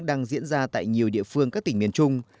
đang diễn ra tại nhiều địa phương các tỉnh miền trung